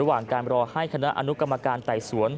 ระหว่างการรอให้คณะอนุกรรมการไต่สวน